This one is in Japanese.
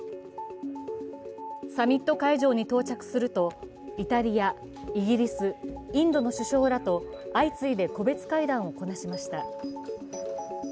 サミット会場に到着するとイタリア、イギリス、インドの首相らと相次いで個別会談をこなしました。